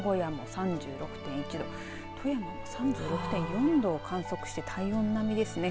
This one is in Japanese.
３６．１度富山も３６．４度を観測して体温並みですね。